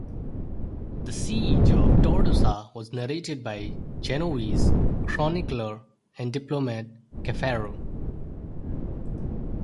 The siege of Tortosa was narrated by the Genovese chronicler and diplomat Caffaro.